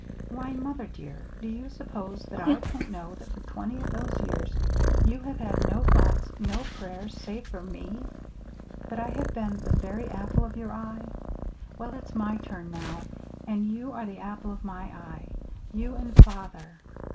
Why, mother, dear, do you suppose that I don't know that for twenty of those years you have had no thoughts, no prayers, save for me? that I have been the very apple of your eye? Well, it's my turn, now, and you are the apple of my eye you and father.